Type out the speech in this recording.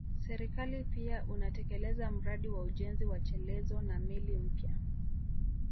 Serikali pia unatekeleza mradi wa ujenzi wa chelezo na meli mpya